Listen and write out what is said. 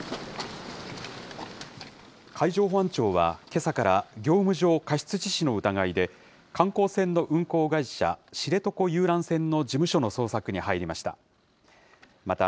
海上保安庁は、けさから業務上過失致死の疑いで、観光船の運航会社、知床遊覧船の事務所の捜索に入りました。